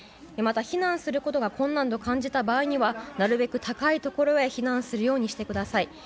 また避難することが困難と感じた場合にはなるべく高いところへ避難するようにしてください。